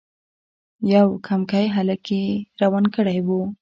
یو کمکی هلک یې روان کړی وو.